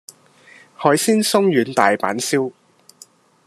海鮮鬆軟大阪燒